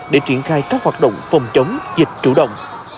để triển khai các hoạt động phòng chống dịch chủ động